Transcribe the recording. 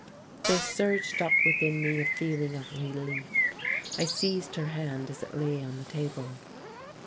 There surged up within me a feeling of relief. I seized her hand as it lay on the table.